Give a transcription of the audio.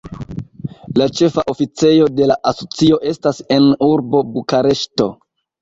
La ĉefa oficejo de la asocio estas en urbo Bukareŝto.